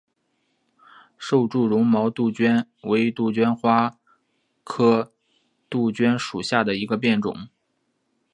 瘦柱绒毛杜鹃为杜鹃花科杜鹃属下的一个变种。